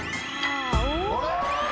あれ？